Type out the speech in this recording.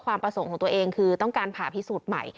ความประสงค์ของตัวเองคือต้องการผ่าพิสูจน์ใหม่